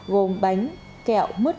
gồm bánh kẹo mứt